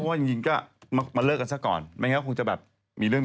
เพราะว่าอย่างงี้ก็มาเลือกกันซะก่อนไม่งั้นเขาคงจะแบบมีเรื่อง